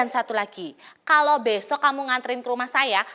satu lagi kalau besok kamu nganterin ke rumah saya